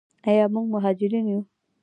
آیا موږ مهاجرین یو؟